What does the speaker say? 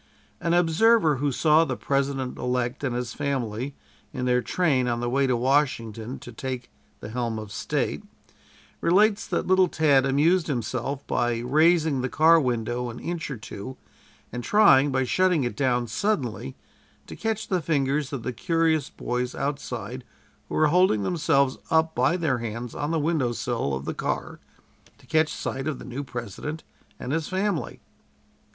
An observer who saw the President elect and his family in their train on the way to Washington to take the helm of State, relates that little Tad amused himself by raising the car window an inch or two and trying, by shutting it down suddenly, to catch the fingers of the curious boys outside who were holding themselves up by their hands on the window sill of the car to catch sight of the new President and his family.